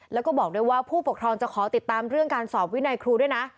แล้วก็บอกด้วยว่าผู้ปกครองจะขอติดตามเรื่องการสอบวินัยครูด้วยนะ